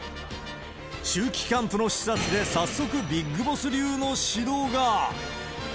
秋季キャンプの視察で、早速ビッグボス流の指導が。